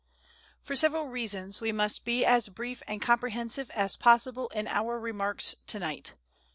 ] For several reasons, we must be as brief and comprehensive as possible in our remarks to night.